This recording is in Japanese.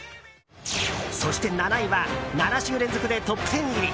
そして７位は７週連続でトップ１０入り！